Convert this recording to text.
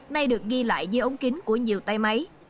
nay được ghi lại dưới ống kính của nhiều tay máy